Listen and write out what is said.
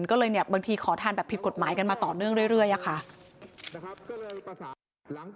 ก็เลยเนี่ยบางทีขอทานแบบผิดกฎหมายกันมาต่อเนื่องเรื่อยอะค่ะ